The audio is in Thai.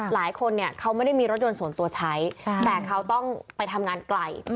หลายคนเนี่ยเขาไม่ได้มีรถยนต์ส่วนตัวใช้แต่เขาต้องไปทำงานไกล